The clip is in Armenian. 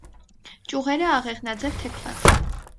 Ճյուղերը աղեղնաձև թեքված են։